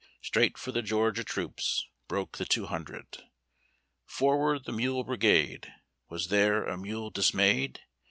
Straight for the Georgia troops Broke the two hundred. " Forward the Mule Brigade!" Was there a mule dismayed?